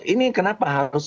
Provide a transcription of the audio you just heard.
ini kenapa harus